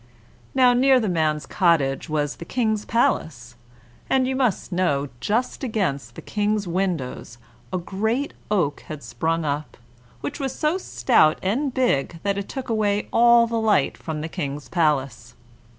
Now, near the man's cottage was the King's palace, and, you must know, just against the King's windows a great oak had sprung up, which was so stout and big that it took away all the light from the King's palace.